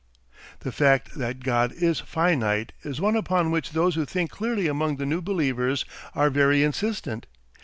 The fact that God is FINITE is one upon which those who think clearly among the new believers are very insistent.